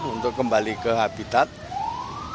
untuk kembali ke kubu presiden dan wakil presiden terpilih